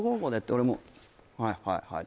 俺も「はいはいはい」